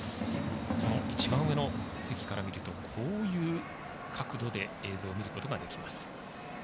一番上の席から見るとこういう角度で映像を見ることができます。